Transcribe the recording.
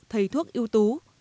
thầy thuốc yêu tú